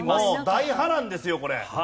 大波乱ですよこれ。